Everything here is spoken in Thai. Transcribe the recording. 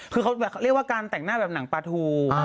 คือเขาเรียกว่าการแต่งหน้าแบบหนังปลาทู